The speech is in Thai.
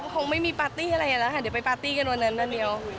คงไม่มีพาร์ตี้อะไรอย่างนั้น